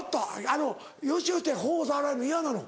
あのよしよしって頬触られるの嫌なの？